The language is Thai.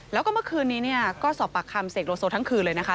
แล้วก็เมื่อคืนนี้เนี่ยก็สอบปากคำเสกโลโซทั้งคืนเลยนะคะ